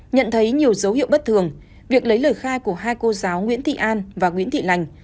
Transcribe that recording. nhận thấy nhiều dấu hiệu bất thường việc lấy lời khai của hai cô giáo nguyễn thị an và nguyễn thị lành